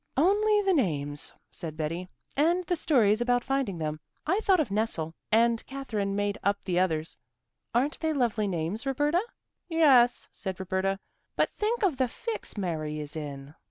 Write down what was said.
"Only the names," said Betty, "and the stories about finding them. I thought of nestle, and Katherine made up the others. Aren't they lovely names, Roberta?" "Yes," said Roberta, "but think of the fix Mary is in."